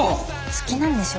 好きなんでしょ？